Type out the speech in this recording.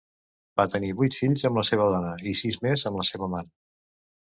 Va tenir vuit fills amb la seva dona i sis més amb la seva amant.